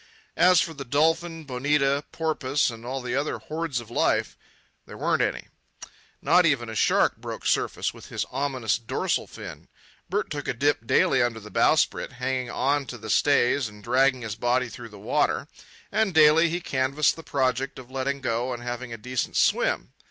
As for the dolphin, bonita, porpoise, and all the other hordes of life—there weren't any. Not even a shark broke surface with his ominous dorsal fin. Bert took a dip daily under the bowsprit, hanging on to the stays and dragging his body through the water. And daily he canvassed the project of letting go and having a decent swim.